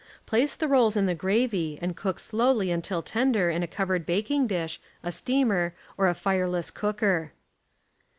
Place the rolls in the gravy and cook slowly until tender in a covered baking dish, a steamer, or a fireless cooker.